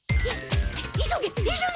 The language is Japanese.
急げ急げ！